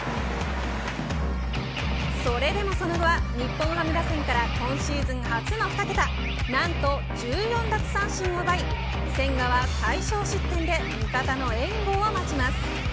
それでもその後は日本ハム打線から今シーズン初の２桁何と１４奪三振を奪い千賀は最小失点で味方の援護を待ちます。